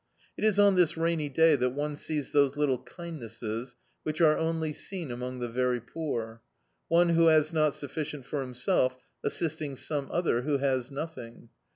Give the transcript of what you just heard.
It is on this rainy day that one sees those little kindnesses which are only seen among the very poor: one who has not sufficient for himself assisting some other who has nothing.